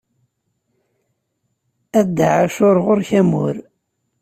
A Dda Ɛacur ɣur-k amur.